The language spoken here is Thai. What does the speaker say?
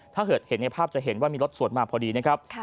ถ้าเกิดเห็นในภาพจะเห็นว่ามีรถสวนมาพอดีนะครับ